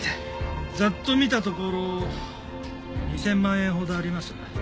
ざっと見たところ２０００万円ほどあります。